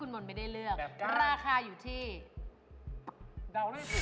ประมาณ๗๐ครับเท่านั้นไม่จูบ